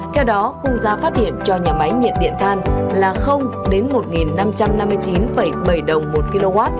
theo đó khung giá phát điện cho nhà máy nhiệt điện than là đến một năm trăm năm mươi chín bảy đồng một kw